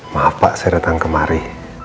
maaf pak saya datang kemari